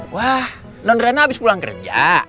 wah non rena habis pulang kerja